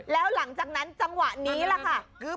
แล้วหลังจากนั้นจังหวะนี้แหละค่ะ